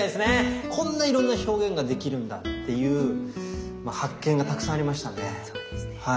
こんないろんな表現ができるんだっていう発見がたくさんありましたね。